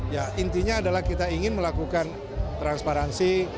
ya intinya adalah kita ingin melakukan transparansi